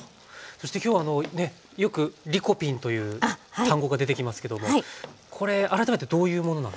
そして今日よくリコピンという単語が出てきますけどもこれ改めてどういうものなんですか？